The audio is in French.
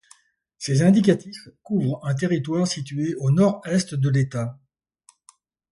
Ces indicatifs couvrent un territoire situé au nord-est de l'État.